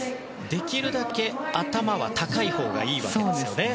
できるだけ頭は高いほうがいいわけですね。